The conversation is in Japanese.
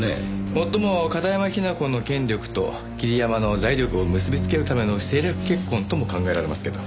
もっとも片山雛子の権力と桐山の財力を結び付けるための政略結婚とも考えられますけど。